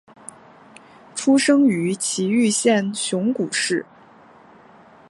出生于崎玉县熊谷市。